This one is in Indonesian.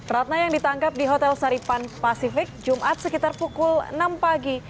ratna yang ditangkap di hotel saripan pasifik jumat sekitar pukul enam pagi